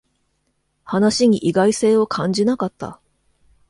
話に意外性を感じなかった